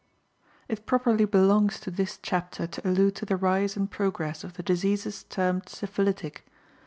It properly belongs to this chapter to allude to the rise and progress of the diseases termed syphilitic.